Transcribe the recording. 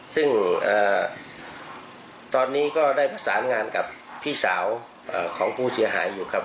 ซึ่งตอนนี้ก็ได้ประสานงานกับพี่สาวของผู้เสียหายอยู่ครับ